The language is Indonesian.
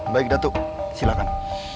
baik datuk silakan